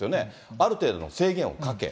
ある程度の制限をかけ。